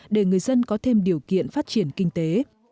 để người dân có thêm điều kiện phát triển kinh tế